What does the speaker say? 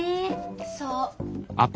そう。